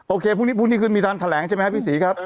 โอเคพรุ่งนี้พรุ่งนี้คืนมีทางแถลงใช่ไหมฮะพี่ศรีครับ